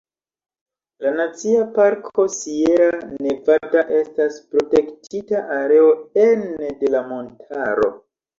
La Nacia Parko Sierra Nevada estas protektita areo ene de la montaro.